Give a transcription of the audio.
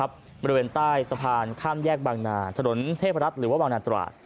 บริเวณใต้สะพานข้ามแยกบางนาถนนเทพรัฐหรือว่าบางนาตราด